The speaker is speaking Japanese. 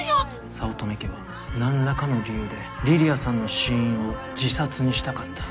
早乙女家は何らかの理由で梨里杏さんの死因を自殺にしたかった。